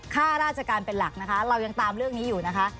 ค่าราชการเป็นหลักเรายังตามเรื่องนี้อยู่